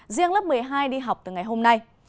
riêng lớp một mươi hai đi học từ ngày hôm nay